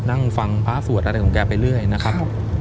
นั่งฟังพระสวดอะไรของแกไปเรื่อยนะครับ